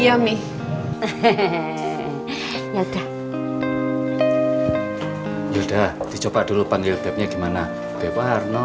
yummy hehehe ya udah udah dicoba dulu panggilnya gimana bewar no